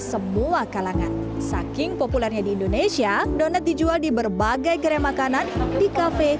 semua kalangan saking populernya di indonesia donat dijual di berbagai gerai makanan di kafe